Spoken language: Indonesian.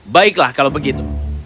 baiklah kalau begitu